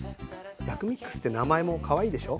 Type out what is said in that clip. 薬味ックスって名前もかわいいでしょ？